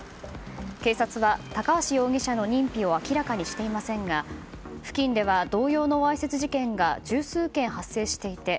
警察は高橋容疑者の認否を明らかにしていませんが付近では、同様のわいせつ事件が十数件発生していて